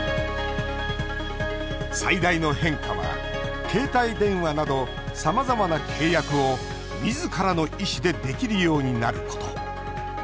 最大の変化は、携帯電話などさまざまな契約をみずからの意思でできるようになること。